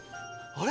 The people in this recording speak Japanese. あれ？